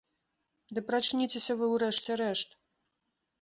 Ды прачніцеся вы ў рэшце рэшт!